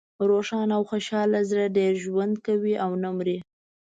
روښانه او خوشحاله زړه ډېر ژوند کوي او نه مری.